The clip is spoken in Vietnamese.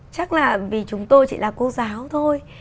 chắc là vì chúng tôi chỉ là cô giáo thôi